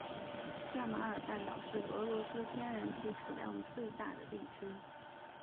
亚马尔半岛是俄罗斯天然气储量最大的地区。